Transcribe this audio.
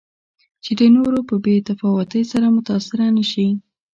چې د نورو په بې تفاوتۍ سره متأثره نه شي.